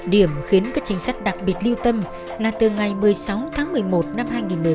điểm khiến các chính sách đặc biệt lưu tâm là từ ngày một mươi sáu tháng một mươi một năm hai nghìn một mươi bảy